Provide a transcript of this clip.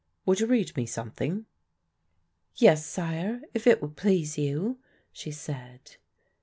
Would you read me something?" "Yes, sire, if it would please you," she said.